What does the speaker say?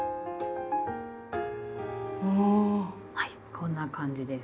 こんな感じです。